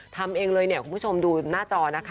ทำเองเลยเนี่ยคุณผู้ชมดูหน้าจอนะคะ